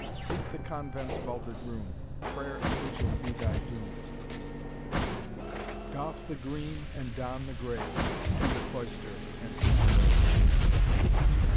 Seek the convent's vaulted room, Prayer and vigil be thy doom; Doff the green, and don the gray, To the cloister hence away!'"